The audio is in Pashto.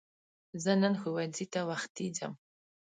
زه نن ښوونځی ته وختی ځم